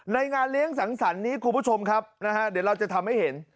งานเลี้ยงสังสรรค์นี้คุณผู้ชมครับนะฮะเดี๋ยวเราจะทำให้เห็น